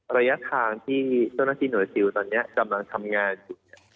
ระยะทางที่เจ้าหน้าที่หน่วยซิลตอนนี้กำลังทำงานอยู่เนี่ย